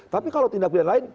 tapi kalau tindak pidana lain